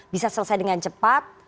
bisa selesai dengan cepat